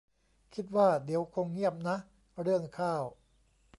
คิดว่าเดี๋ยวคงเงียบนะ เรื่องข้าว